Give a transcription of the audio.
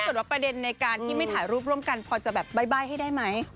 ว่าประเด็นในการที่ไม่ถ่ายรูปร่วมกันพอจะแบบใบ้ให้ได้ไหม